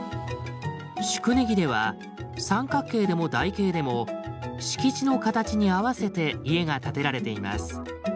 宿根木では三角形でも台形でも敷地の形に合わせて家が建てられています。